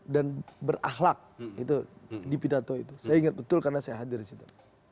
dan berakhlak itu di pidato itu saya ingat betul karena saya hadir disitu